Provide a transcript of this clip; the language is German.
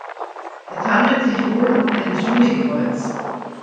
Es handelt sich wohl um ein Sühnekreuz.